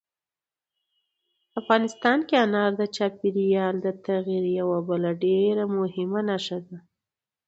افغانستان کې انار د چاپېریال د تغیر یوه بله ډېره مهمه نښه ده.